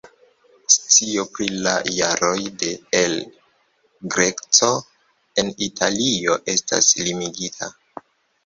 Scio pri la jaroj de El Greco en Italio estas limigita.